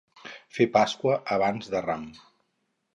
Fer Pasqua abans de Ram.